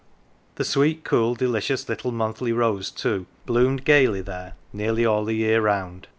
The sweet, cool, delicious little monthly rose, too, bloomed gaily there nearly all the year round.